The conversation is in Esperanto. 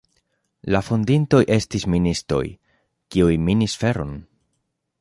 La fondintoj estis ministoj, kiuj minis feron.